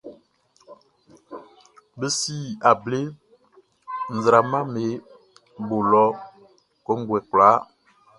Be si able nzraamaʼm be bo lɔ kɔnguɛ kwlaa.